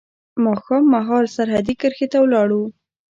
ماښام مهال سرحدي کرښې ته ولاړو.